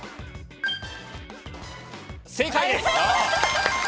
正解です！